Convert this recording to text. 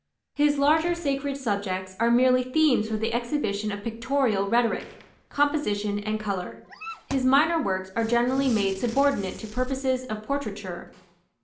His larger sacred subjects are merely themes for the exhibition of pictorial rhetoric, composition and color. His minor works are generally made subordinate to purposes of portraiture.